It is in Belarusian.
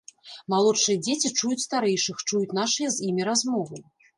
Малодшыя дзеці чуюць старэйшых, чуюць нашыя з імі размовы.